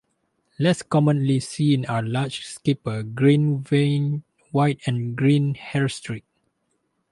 Less commonly seen are large skipper, green-veined white and green hairstreak.